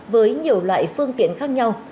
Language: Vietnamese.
với nhiều loại phương tiện khác nhau